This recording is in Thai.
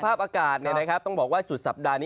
สภาพอากาศเนี่ยนะครับต้องบอกว่าสุดสัปดาห์นี้